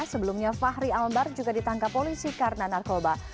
sebelumnya fahri albar juga ditangkap polisi karena narkoba